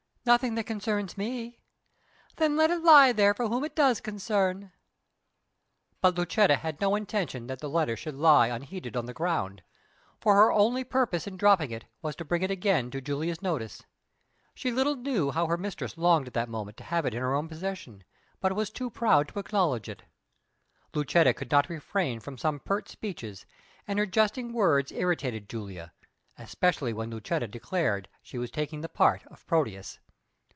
"Nothing that concerns me." "Then let it lie there for whom it does concern." But Lucetta had no intention that the letter should lie unheeded on the ground, for her only purpose in dropping it was to bring it again to Julia's notice. She little knew how her mistress longed at that moment to have it in her own possession, but was too proud to acknowledge it. Lucetta could not refrain from some pert speeches, and her jesting words irritated Julia, especially when Lucetta declared she was taking the part of Proteus.